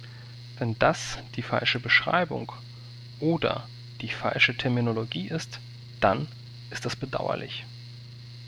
Wenn das die falsche Beschreibung oder die falsche Terminologie ist, dann ist das bedauerlich.